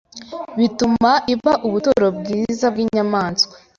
bituma iba ubuturo bwiza bw’inyamaswa.”